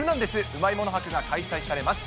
うまいもの博が開催されます。